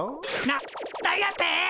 な何やて！？